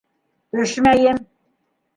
—Төшмәйем!